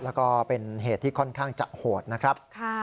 แล้วก็เป็นเหตุที่ค่อนข้างจะโหดนะครับ